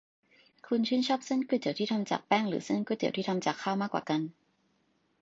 คุณชื่นชอบเส้นก๋วยเตี๋ยวที่ทำจากแป้งหรือเส้นก๋วยเตี๋ยวที่ทำจากข้าวมากกว่ากัน ?